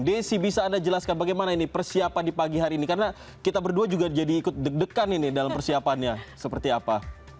desi bisa anda jelaskan bagaimana ini persiapan di pagi hari ini karena kita berdua juga jadi ikut deg degan ini dalam persiapannya seperti apa